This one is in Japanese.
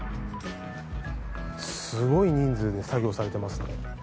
すごい人数で作業されてますね。